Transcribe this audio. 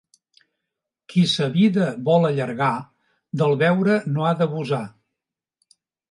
Qui sa vida vol allargar del beure no ha d'abusar.